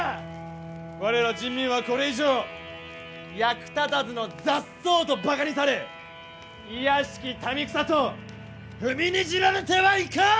我ら人民はこれ以上役立たずの雑草とバカにされ卑しき民草と踏みにじられてはいかん！